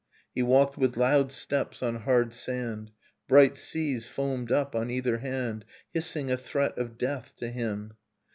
,.. He walked with loud steps on hard sand. j Bright seas foamed up on either hand, ' Hissing a threat of death to him